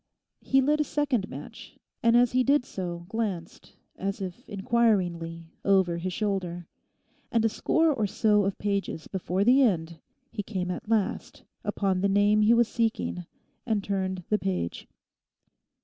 He lit a second match, and as he did so glanced as if inquiringly over his shoulder. And a score or so of pages before the end he came at last upon the name he was seeking, and turned the page.